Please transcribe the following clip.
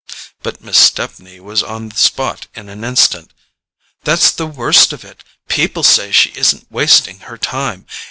But Miss Stepney was on the spot in an instant. "That's the worst of it—people say she isn't wasting her time!